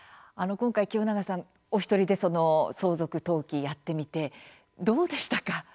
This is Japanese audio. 今回、清永さんお一人で相続登記やってみてどうでしたか？